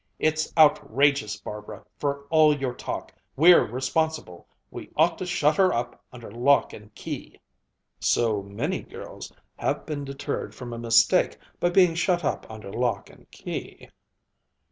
"It's outrageous, Barbara, for all your talk! We're responsible! We ought to shut her up under lock and key " "So many girls have been deterred from a mistake by being shut up under lock and key!"